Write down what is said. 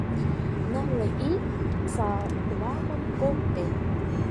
Нылле ик саламым колтен.